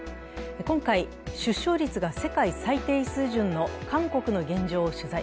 今回、出生率が世界最低水準の韓国の現状を取材。